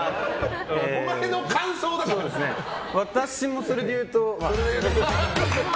私も、それで言うと○。